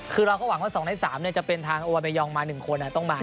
คือเราก็หวังว่า๒ใน๓จะเป็นทางโอวาเบยองมา๑คนต้องมา